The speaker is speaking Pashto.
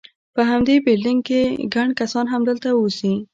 په همدې بلډینګ کې، ګڼ کسان همدلته اوسي.